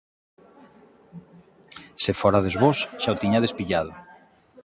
Se forades vós xa o tiñades pillado.